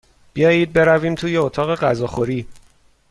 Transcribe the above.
بیایید برویم توی اتاق غذاخوری.